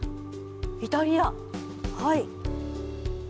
イタリアはい。